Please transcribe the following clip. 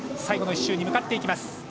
最後の１周に向かっていきます。